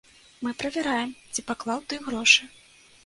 Мы правяраем, ці паклаў ты грошы.